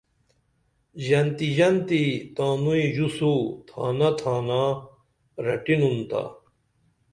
ژنتی ژنتی تانوئی ژوسو تھانہ تھانا رٹینُن تا